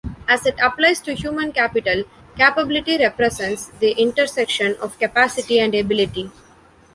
As it applies to human capital, capability represents the intersection of capacity and ability.